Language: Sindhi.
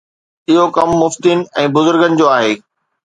اهو ڪم مفتين ۽ بزرگن جو آهي.